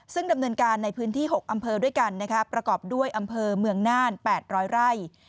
ซึ่งดำเนินการในพื้นที่๖อำเภอด้วยกันประกอบด้วยอำเภอเมืองน่าน๘๐๐ไร่